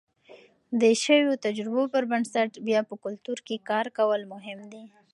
د شویو تجربو پر بنسټ بیا په کلتور کې کار کول مهم دي.